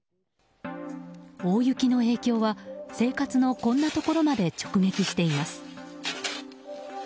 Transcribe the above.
大雪の影響は生活のこんなところまで直撃しています。